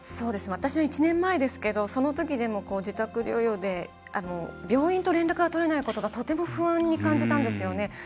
私は１年前ですけどそのときでも自宅療養で病院と連絡が取れないことがとても不安に感じたんですよね。